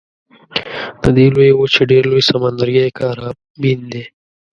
د دې لویې وچې ډېر لوی سمندرګی کارابین دی.